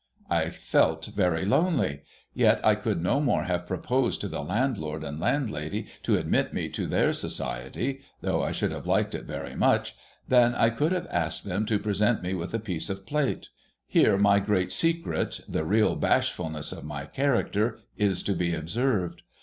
I felt very lonely. Yet I could no more have proposed to the landlord and landlady to admit me to their society (though I should have liked it very much) than I could have asked them to present me with a ])iece of plate. Here my great secret, the real bashfulness of my character, is to be observed.